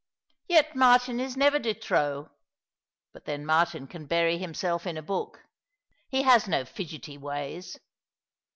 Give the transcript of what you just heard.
Yet Martin is never de trop — but then Martin can bury himself in a book. He has no fidgety ways."